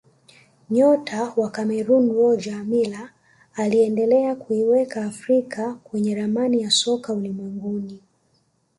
nyota wa cameroon roger miller aliendelea kuiweka afrika kwenye ramani ya soka ulimwenguni